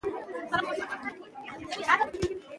د کلیزو منظره د افغان ماشومانو د لوبو موضوع ده.